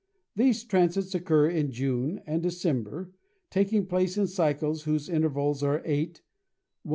These transits occur in June and December, taking place in cycles whose intervals are 8, 105.